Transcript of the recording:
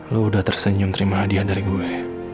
lo udah tersenyum terima hadiah dari gue